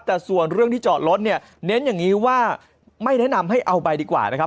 แต่ส่วนเรื่องที่จอดรถเนี่ยเน้นอย่างนี้ว่าไม่แนะนำให้เอาไปดีกว่านะครับ